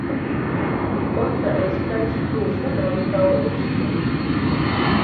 Otta ekitali kituufu n'olekawo ekituufu.